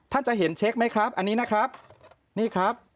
จะเห็นเช็คไหมครับอันนี้นะครับนี่ครับ